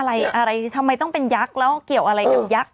อะไรอะไรทำไมต้องเป็นยักษ์แล้วเกี่ยวอะไรกับยักษ์